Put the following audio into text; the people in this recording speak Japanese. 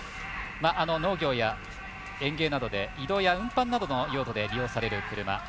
農業や園芸などで移動や運搬などの用途で利用される車。